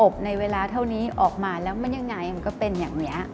ในเวลาเท่านี้ออกมาแล้วมันยังไงมันก็เป็นอย่างนี้